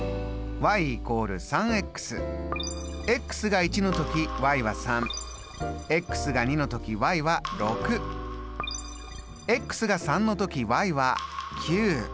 が１の時は３が２の時は６が３の時は９。